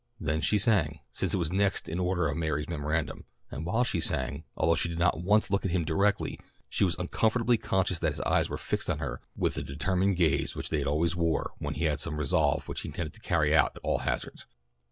Then she sang, since it was next in order on Mary's memorandum, and while she sang, although she did not once look at him directly, she was uncomfortably conscious that his eyes were fixed on her with the determined gaze which they always wore when he had some resolve which he intended to carry out at all hazards.